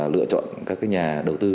lựa chọn các nhà đầu tư